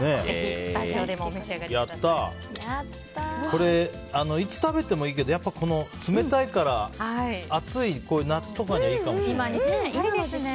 これ、いつ食べてもいいけどやっぱり、冷たいから暑い夏とかにいいかもしれないですね。